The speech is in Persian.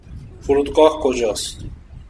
فرودگاه کجا است؟